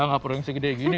nggak perlu yang segede gini